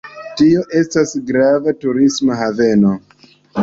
Tie estas grava turisma haveno.